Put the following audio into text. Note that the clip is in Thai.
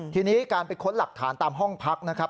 ทีนี้การไปค้นหลักฐานตามห้องพักนะครับ